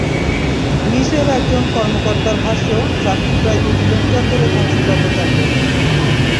নিসের একজন কর্মকর্তার ভাষ্য, ট্রাকটি প্রায় দুই কিলোমিটার ধরে ধ্বংসযজ্ঞ চালিয়ে যায়।